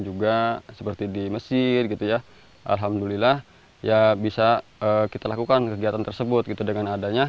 juga seperti di mesir gitu ya alhamdulillah ya bisa kita lakukan kegiatan tersebut gitu dengan adanya